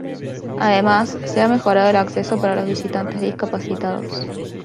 Además, se ha mejorado el acceso para los visitantes discapacitados.